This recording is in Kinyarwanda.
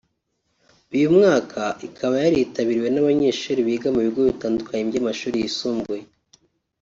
uyu mwaka ikaba yaritabiriwe n’abanyeshuri biga mu bigo bitandukanye by’amashuri yisumbuye